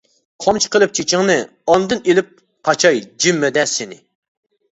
قامچا قىلىپ چېچىڭنى، ئاندىن ئېلىپ قاچاي جىممىدە سېنى.